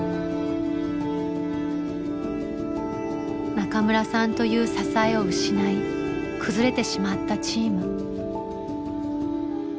中村さんという支えを失い崩れてしまったチーム。